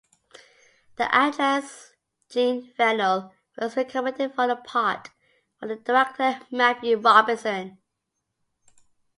The actress Jean Fennell was recommended for the part by the director Matthew Robinson.